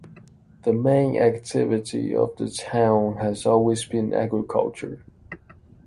The main activity of the town has always been agriculture.